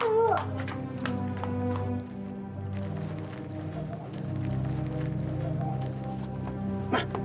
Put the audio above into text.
tunggu pak tuh